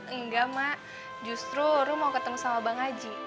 enggak mak justru ru mau ketemu sama bang haji